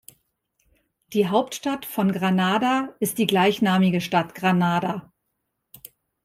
Die Hauptstadt von Granada ist die gleichnamige Stadt Granada.